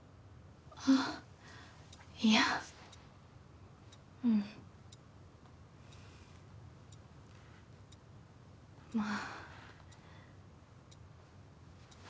あっいやうんまあ